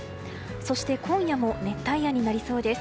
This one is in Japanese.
そして、今夜も熱帯夜になりそうです。